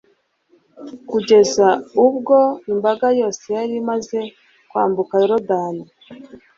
kugeza ubwo imbaga yose yari imaze kwambuka yorudani